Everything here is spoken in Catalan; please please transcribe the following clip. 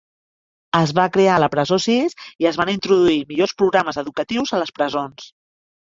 Es va crear la Presó Sis i es van introduir millors programes educatius a les presons.